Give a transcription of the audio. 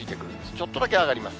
ちょっとだけ上がります。